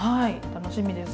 楽しみです。